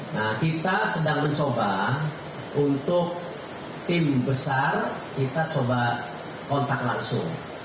nah kita sedang mencoba untuk tim besar kita coba kontak langsung